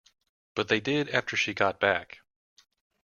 But they did after she got back.